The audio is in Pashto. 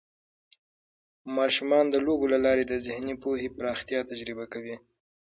ماشومان د لوبو له لارې د ذهني پوهې پراختیا تجربه کوي.